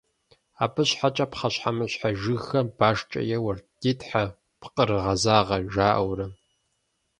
Абы щхьэкӀэ пхъэщхьэмыщхьэ жыгхэм башкӀэ еуэрт: «Ди тхьэ, пкъырыгъэзагъэ», - жаӀэурэ.